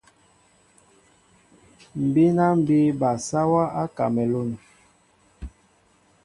M̀ bíná mbí bal sáwā á Kámalûn.